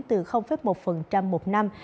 từ một một năm